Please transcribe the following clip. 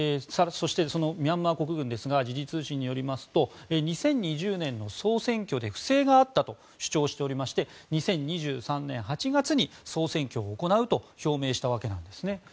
そして、ミャンマー国軍ですが時事通信によりますと２０２０年の総選挙で不正があったと主張していまして２０２３年８月に総選挙を行うと表明したわけなんですね。